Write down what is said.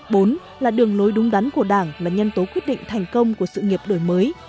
bốn là đường lối đúng đắn của đảng là nhân tố quyết định thành công của sự nghiệp đổi mới